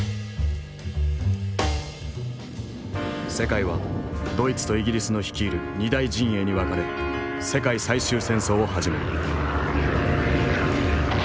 世界はドイツとイギリスの率いる二大陣営に分かれ世界最終戦争を始める。